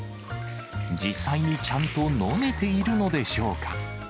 実際にちゃんと飲めているのでしょうか。